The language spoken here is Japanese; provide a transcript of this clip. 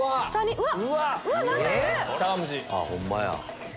うわっ！